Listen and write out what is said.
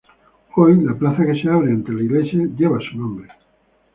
Hoy la plaza que se abre ante la iglesia lleva su nombre.